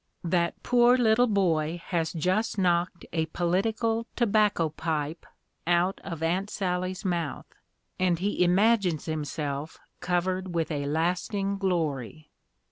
That poor little boy has just knocked a political tobacco pipe out of Aunt Sally's mouth, and he imagines himself covered with a lasting glory.